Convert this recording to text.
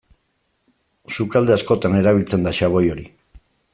Sukalde askotan erabiltzen da xaboi hori.